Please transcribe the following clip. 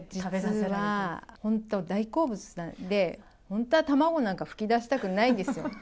実は本当は大好物なんで、本当は卵なんか噴き出したくないですよ。